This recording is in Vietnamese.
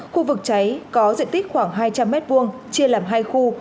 khu vực cháy có diện tích khoảng hai trăm linh m hai chia làm hai khu